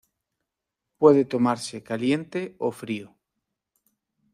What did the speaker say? Puede tomarse caliente o frío.